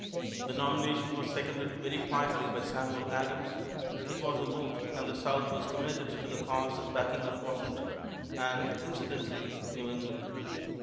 The nomination was seconded very quietly by Samuel Adams. It was a vote, and the South was committed to the cause of backing up Washington, and, incidentally, New England.